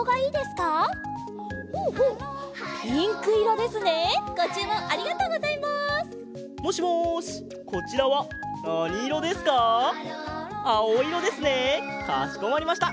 かしこまりました。